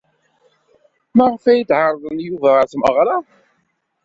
Maɣef ay d-ɛerḍen Yuba ɣer tmeɣra?